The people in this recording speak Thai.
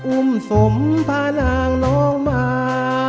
อุ้มสมพานางน้องมา